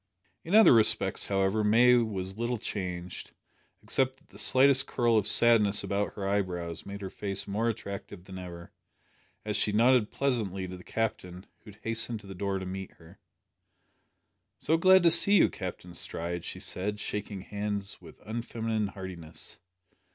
In other respects, however, May was little changed, except that the slightest curl of sadness about her eyebrows made her face more attractive than ever, as she nodded pleasantly to the Captain, who had hastened to the door to meet her. "So glad to see you, Captain Stride," she said, shaking hands with unfeminine heartiness.